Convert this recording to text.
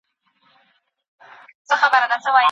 آيا هویت د ارزښتونو ټولګه ده؟